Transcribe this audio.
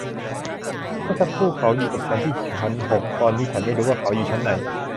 เมื่อสักครู่เขาอยู่กับฉันที่ชั้นหก ตอนนี้ฉันไม่รู้ว่าเขาอยู่ชั้นไหน